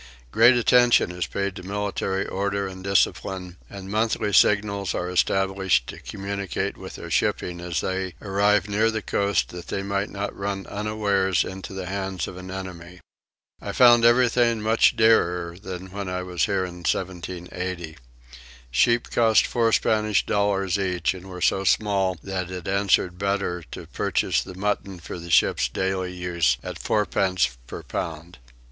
Great attention is paid to military order and discipline; and monthly signals are established to communicate with their shipping as they arrive near the coast that they may not run unawares into the hands of an enemy. I found everything much dearer than when I was here in 1780. Sheep cost four Spanish dollars each and were so small that it answered better to purchase the mutton for the ship's daily use at fourpence per pound.